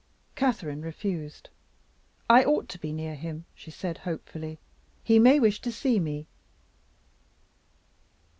Catherine refused. "I ought to be near him," she said, hopefully; "he may wish to see me."